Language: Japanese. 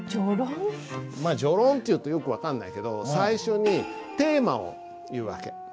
まあ序論っていうとよく分かんないけど最初にテーマを言う訳。